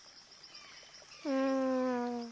うん。